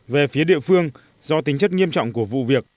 về phía địa phương do tính chất nghiêm trọng của vụ việc